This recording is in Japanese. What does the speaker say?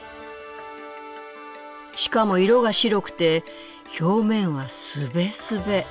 しかも色が白くて表面はスベスベ。